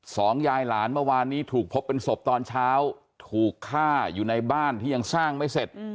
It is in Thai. สองยายหลานเมื่อวานนี้ถูกพบเป็นศพตอนเช้าถูกฆ่าอยู่ในบ้านที่ยังสร้างไม่เสร็จ